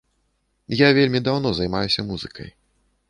Я вельмі даўно займаюся музыкай.